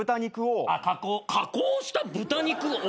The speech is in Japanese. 加工加工した豚肉を！？